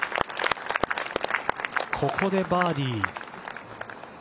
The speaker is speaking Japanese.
ここでバーディー。